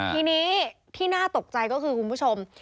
ทีนี้ที่น่าตกใจก็คือคุณผู้ชม